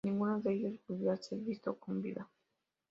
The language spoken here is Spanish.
Ninguno de ellos volvió a ser visto con vida.